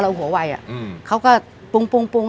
เราโหวัยอ่ะเขาก็ปรุง